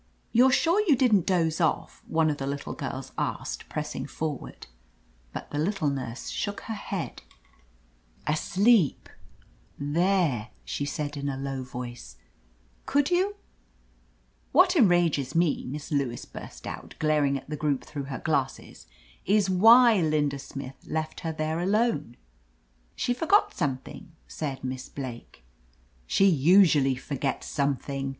"You're sure you didn't doze off?" one of the girls asked, pressing forward. But the Little Nurse shook her head. THE AMAZING ADVENTURES "Asleep ! There ?" she said, in a low voice. "Could you?'' "What enrages me," Miss Lewis burst out, glaring at the group through her glasses, "is ,why Linda Smith left her there alone." "She forgot something," said Miss Blake. "She usually forgets something!"